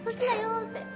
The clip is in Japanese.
って。